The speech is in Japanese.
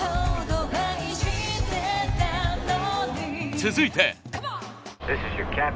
続いて。